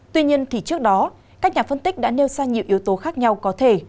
tuy nhiên thì trước đó các nhà phân tích đã nêu ra nhiều yếu tố khác nhau có thể